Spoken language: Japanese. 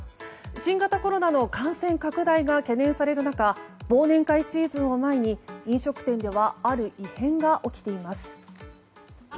新型コロナの感染拡大が懸念される中忘年会シーズンを前に飲食店ではある異変が起きています。